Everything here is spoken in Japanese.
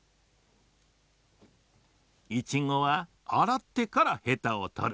イチゴはあらってからへたをとる。